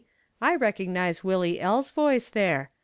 "I recognize Willie L.'s voice there.